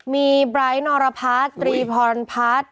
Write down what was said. มีไบรท์นอรพัสตรีพรพัส